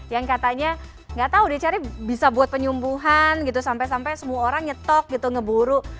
yang katanya nggak tahu dicari bisa buat penyumbuhan gitu sampai sampai semua orang nyetok gitu ngeburu